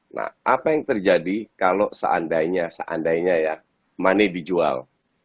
nah apa yang terjadi kalau seandainya seandainya ya money dijual